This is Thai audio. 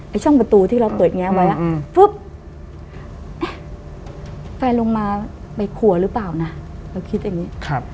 ช่องประตูที่เราเปิดแง้มไว้ไฟลงมาในครัวหรือเปล่านะเราคิดอย่างนี้